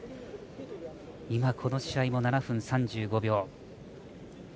今この試合も７分３５秒。